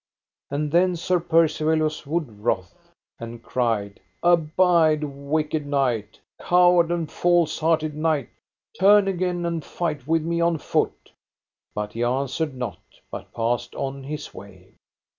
And then Sir Percivale was wood wroth, and cried: Abide, wicked knight; coward and false hearted knight, turn again and fight with me on foot. But he answered not, but passed on his way.